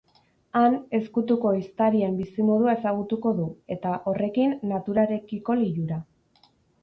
Han, ezkutuko ehiztarien bizimodua ezagutuko du, eta, horrekin, naturarekiko lilura.